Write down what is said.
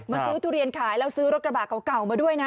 ซื้อทุเรียนขายแล้วซื้อรถกระบะเก่ามาด้วยนะ